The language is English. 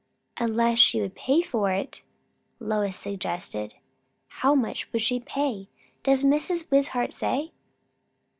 "Unless she would pay for it," Lois suggested. "How much would she pay? Does Mrs. Wishart say?"